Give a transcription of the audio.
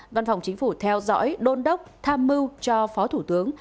văn phòng chính phủ theo dõi đôn đốc tham mưu cho phó thủ tướng